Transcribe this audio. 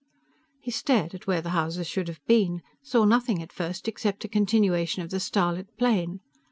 He stared at where the houses should have been, saw nothing at first except a continuation of the starlit plain.